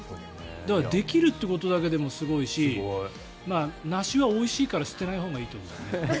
だから、できるということだけでもすごいし梨はおいしいから捨てないほうがいいと思う。